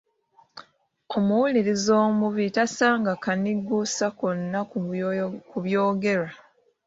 Omuwuliriza omubi tasanga kanigguusa konna mu byogerwa!